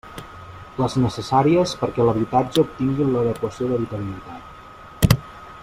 Les necessàries perquè l'habitatge obtingui l'adequació d'habitabilitat.